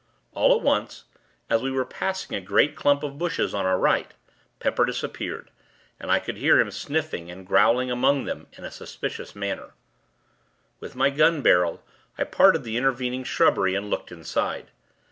All at once, as we were passing a great clump of bushes, on our right, Pepper disappeared, and I could hear him sniffing and growling among them, in a suspicious manner. With my gun barrel, I parted the intervening shrubbery, and looked inside.